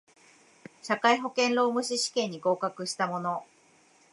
社会保険労務士試験に合格した者